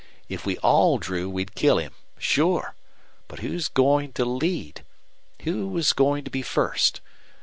If we all drew we'd kill him. Sure! But who's goin' to lead? Who was goin' to be first?